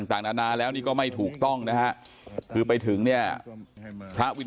ต่างนานาแล้วนี่ก็ไม่ถูกต้องนะฮะคือไปถึงเนี่ยพระวิน